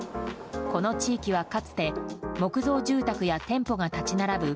この地域はかつて木造住宅や店舗が立ち並ぶ